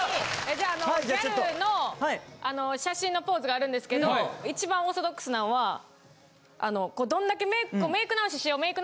じゃああのギャルの写真のポーズがあるんですけど一番オーソドックスなんはあのどんだけメイク直ししようメイク